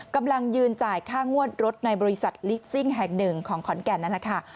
กำลังยืนจ่ายค่างวดรถในบริษัทลิสซิ่งแห่งหนึ่งของขอนแก่นนั่นแหละค่ะ